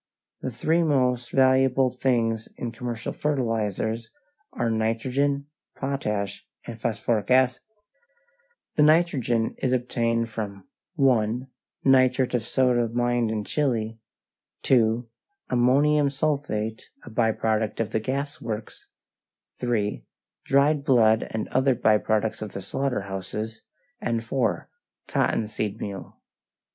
The three most valuable things in commercial fertilizers are nitrogen, potash, and phosphoric acid. The nitrogen is obtained from (1) nitrate of soda mined in Chile, (2) ammonium sulphate, a by product of the gas works, (3) dried blood and other by products of the slaughter houses, and (4) cotton seed meal.